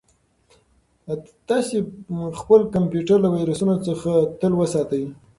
تاسو خپل کمپیوټر له ویروسونو څخه تل وساتئ.